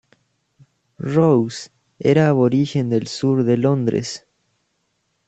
Rose era aborigen del sur de Londres.